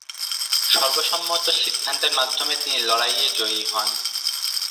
সর্বসম্মত সিদ্ধান্তের মাধ্যমে তিনি লড়াইয়ে জয়ী হন।